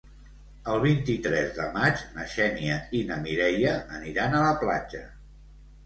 El vint-i-tres de maig na Xènia i na Mireia aniran a la platja.